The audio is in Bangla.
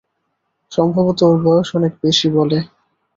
সম্ভবত ওর বয়স অনেক বেশি বলে।